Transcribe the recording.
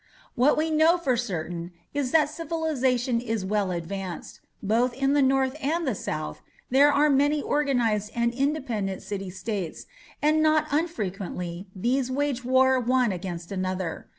What we know for certain is that civilization is well advanced. Both in the north and the south there are many organized and independent city states, and not unfrequently these wage war one against another.